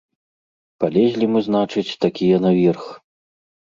Палезлі мы, значыць, такія наверх.